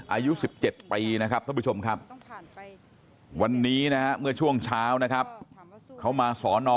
อายุ๑๗ปีนะครับท่านผู้ชมครับวันนี้นะฮะเมื่อช่วงเช้านะครับเขามาสอนอ